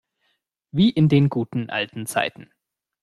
Wie in den guten, alten Zeiten!